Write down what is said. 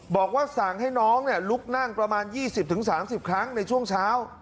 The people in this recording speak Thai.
บอกว่าสั่งให้น้องลุกนั่งประมาณ๒๐๓๐ครั้งในช่วงเช้า